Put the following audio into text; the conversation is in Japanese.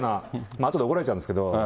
あとで怒られちゃうんですけど。